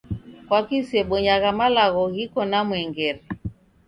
Kwaki usebonyagha malagho ghiko na mwengere?